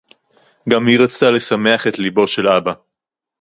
גַּם הִיא רָצְתָה לְשַׂמֵּחַ אֶת לִבּוֹ שֶׁל אַבָּא.